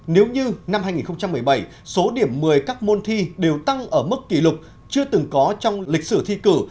nếu như năm hai nghìn một mươi bảy số điểm một mươi các môn thi đều tăng ở mức kỷ lục chưa từng có trong lịch sử thi cử